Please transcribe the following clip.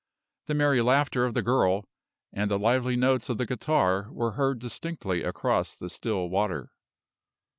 The merry laughter of the girl, and the lively notes of the guitar were heard distinctly across the still water.